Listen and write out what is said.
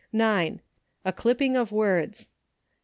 9. A clipping of words.